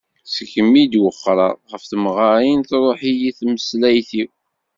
Seg mi i d-wexreɣ ɣef temɣarin truḥ-iyi tmeslayt-iw.